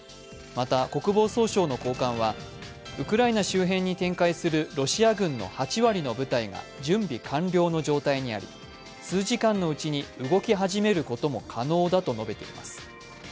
また国防総省の高官はウクライナ周辺に展開するロシア軍の８割の部隊が準備完了の状態にあり、数時間のうちに動き始めることも可能だと述べています。